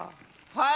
はい。